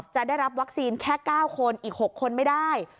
จะได้รับวัคซีนแค่๙คนอีก๖คนไม่ได้